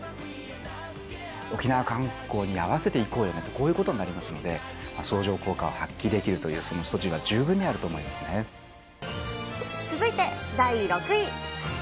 沖縄観光に合わせて行こうよねと、こういうことになりますので、相乗効果を発揮できるという続いて第６位。